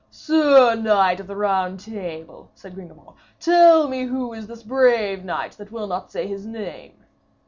'Sir Knight of the Round Table,' said Sir Gringamor, 'tell me who is this brave knight that will not say his name?'